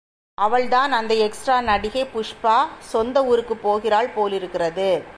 அவள் தான், அந்த எக்ஸ்ட்ரா நடிகை புஷ்பா சொந்த ஊருக்குப் போகிறாள் போலிருக்கிறது.